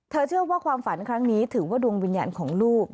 เชื่อว่าความฝันครั้งนี้ถือว่าดวงวิญญาณของลูก